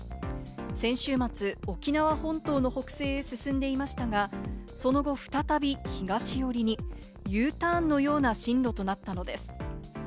先週末、沖縄本島の北西へ進んでいましたが、その後、再び東寄りにＵターンのような進路となったのです。